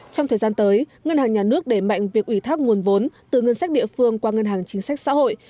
trong thời gian tới ngân hàng nhà nước đẩy mạnh việc ủy thác nguồn vốn từ ngân sách địa phương qua ngân hàng chính sách xã hội